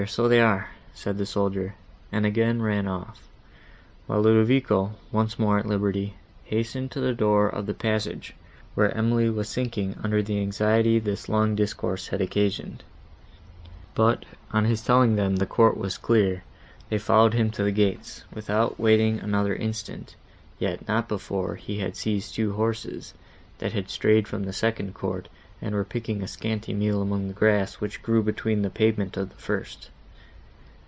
so they are," said the soldier, and again ran off, while Ludovico, once more at liberty, hastened to the door of the passage, where Emily was sinking under the anxiety this long discourse had occasioned; but, on his telling them the court was clear, they followed him to the gates, without waiting another instant, yet not before he had seized two horses, that had strayed from the second court, and were picking a scanty meal among the grass, which grew between the pavement of the first.